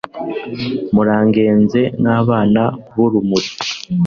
muragenze nk'abana b'urumuri